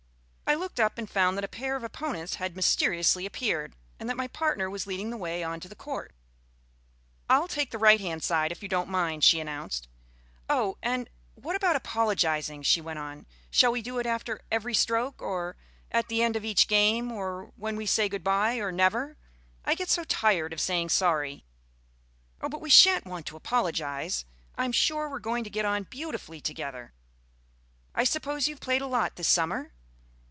I looked up and found that a pair of opponents had mysteriously appeared, and that my partner was leading the way on to the court. "I'll take the right hand side, if you don't mind," she announced. "Oh, and what about apologising?" she went on. "Shall we do it after every stroke, or at the end of each game, or when we say good bye, or never? I get so tired of saying 'sorry.'" "Oh, but we shan't want to apologise; I'm sure we're going to get on beautifully together." "I suppose you've played a lot this summer?"